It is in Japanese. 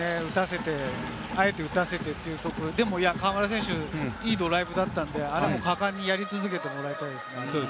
あえて打たせて、でも河村選手はいいドライブだったんで、あれも果敢にやり続けてもらいたいですね。